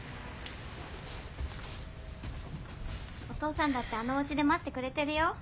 お父さんだってあのおうちで待ってくれてるよ。